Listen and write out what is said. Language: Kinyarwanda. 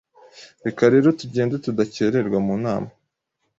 reka rero tugendetudakererwa munama